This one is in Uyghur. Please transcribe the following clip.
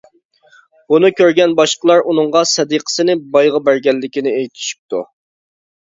بۇنى كۆرگەن باشقىلار ئۇنىڭغا سەدىقىسىنى بايغا بەرگەنلىكىنى ئېيتىشىپتۇ.